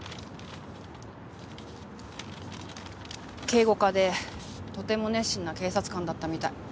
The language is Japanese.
警護課でとても熱心な警察官だったみたい。